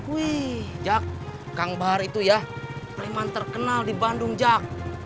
wih jack kang bahar itu ya preman terkenal di bandung jack